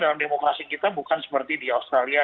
dalam demokrasi kita bukan seperti di australia